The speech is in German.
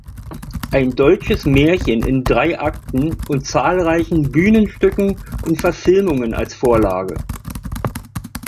Ein deutsches Märchen in drei Akten" und zahlreichen Bühnenstücken und Verfilmungen als Vorlage.